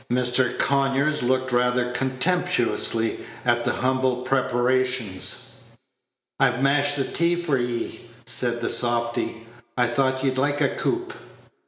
Mr. Conyers looked rather contemptuously at the humble preparations. "I've mashed the tea for 'ee," said the softy; "I thought you'd like a coop."